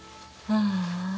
ああ。